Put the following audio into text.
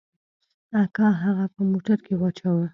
اکا هغه په موټر کښې واچاوه.